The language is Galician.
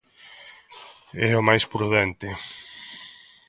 É o máis prudente.